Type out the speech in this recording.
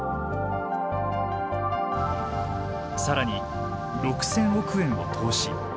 更に６，０００億円を投資。